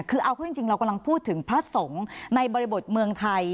คือเอาเข้าจริงเรากำลังพูดถึงพระสงฆ์ในบริบทเมืองไทย